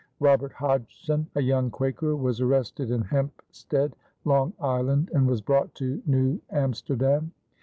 Robert Hodgson, a young Quaker, was arrested in Hempstead, Long Island, and was brought to New Amsterdam.